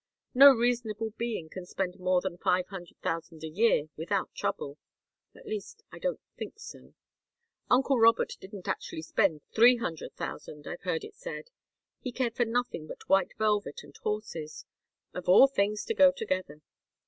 No reasonable being can spend more than five hundred thousand a year without trouble at least, I don't think so. Uncle Robert didn't actually spend three hundred thousand, I've heard it said. He cared for nothing but white velvet and horses of all things to go together!